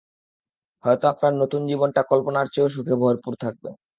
হয়তো আপনার নতুন জীবনটা কল্পনার চেয়েও সুখে ভরপুর থাকবে।